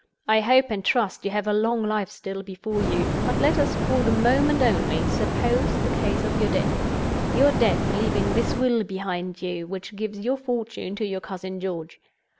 I hope and trust you have a long life still before you; but let us, for the moment only, suppose the case of your death—your death leaving this will behind you, which gives your fortune to your cousin George.